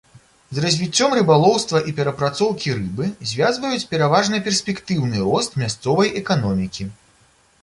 З развіццём рыбалоўства і перапрацоўкі рыбы звязваюць пераважна перспектыўны рост мясцовай эканомікі.